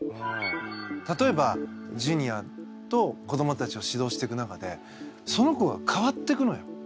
例えばジュニアと子どもたちを指導していく中でその子が変わっていくのよ。